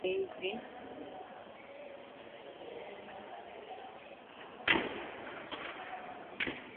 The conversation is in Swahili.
Viazi lishe hivi vina wanga kwa wingi